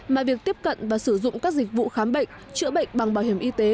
mà việc tiếp cận và sử dụng các dịch vụ khám bệnh chữa bệnh bằng bảo hiểm y tế